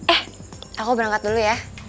eh aku berangkat dulu ya